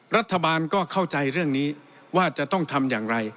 รัฐบาลก็เข้าใจเรื่องนี้ว่าจะต้องทำอย่างไร